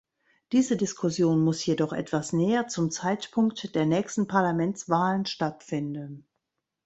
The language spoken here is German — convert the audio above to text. Diese Diskussion muss jedoch etwas näher zum Zeitpunkt der nächsten Parlamentswahlen stattfinden.